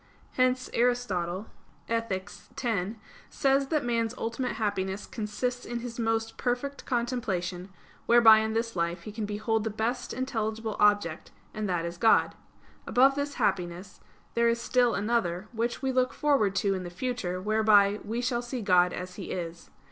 Hence Aristotle (Ethic. x) says that man's ultimate happiness consists in his most perfect contemplation, whereby in this life he can behold the best intelligible object; and that is God. Above this happiness there is still another, which we look forward to in the future, whereby "we shall see God as He is."